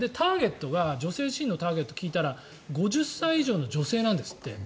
で、「女性自身」のターゲットを聞いたら５０歳以上の女性なんですって。